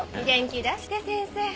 元気出して先生。